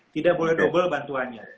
tidak boleh double bantuannya